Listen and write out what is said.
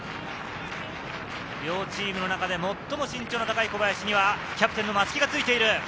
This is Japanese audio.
両チームの中でもっとも身長が高い小林にはキャプテンの松木がついている。